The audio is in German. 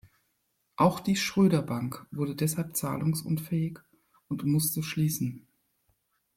Auch die Schröder-Bank wurde deshalb zahlungsunfähig und musste schließen.